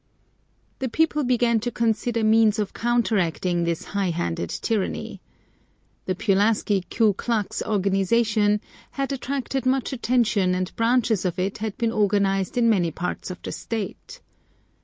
The people began to consider means of counteracting this high handed tyranny. The Pulaski Ku Klux organization had attracted much attention and branches of it had been organized in many parts of the state.